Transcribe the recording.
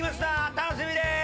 楽しみです！